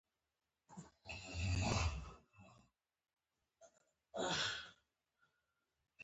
سړی حیران و.